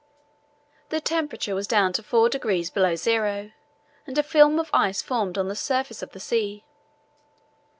The temperature was down to 4° below zero, and a film of ice formed on the surface of the sea.